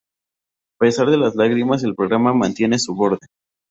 A pesar de las lágrimas, el programa mantiene su borde.